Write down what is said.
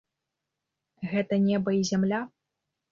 Гэта неба і зямля?